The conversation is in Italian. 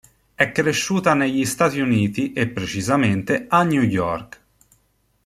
È cresciuta negli Stati Uniti e precisamente a New York.